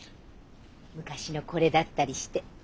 昔のコレだったりして。